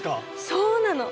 そうなの！